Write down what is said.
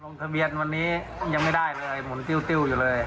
ทะเบียนวันนี้ยังไม่ได้เลยผมติ้วอยู่เลย